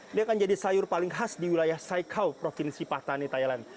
ini akan jadi sayur paling khas di wilayah saikau provinsi patani thailand